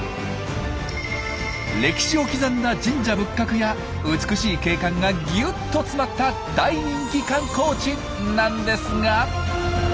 歴史を刻んだ神社仏閣や美しい景観がぎゅっと詰まった大人気観光地！なんですが。